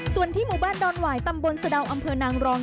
ส่วนที่หมู่บ้านดอนหวายตำบลสะดาวอำเภอนางรอง